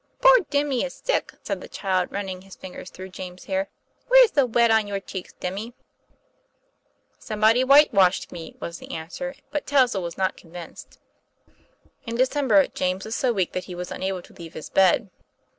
"Poor Dimmy is sick," said the child, running TOM PLAYFAIR. 241 his fingers through James's hair. "Where's the wed on your cheeks, Dimmy?" "Somebody whitewashed me," was the answer; but Touzle was not convinced. In December James was so weak that he was unable to leave his bed.